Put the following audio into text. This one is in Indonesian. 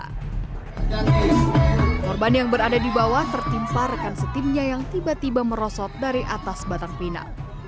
korban yang berada di bawah tertimpa rekan setimnya yang tiba tiba merosot dari atas batang pina